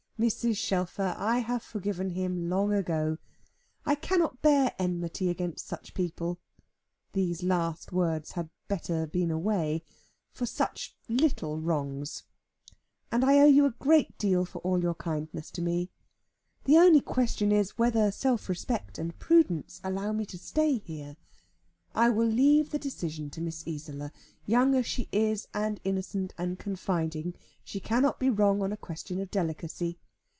"Mrs. Shelfer, I have forgiven him long ago. I cannot bear enmity against such people" these last three words had better been away "for such little wrongs. And I owe you a great deal for all your kindness to me. The only question is, whether self respect and prudence allow me to stay here. I will leave the decision to Miss Isola. Young as she is, and innocent and confiding, she cannot be wrong on a question of delicacy.